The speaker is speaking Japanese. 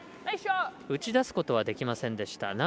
打ち出すことはできませんでした。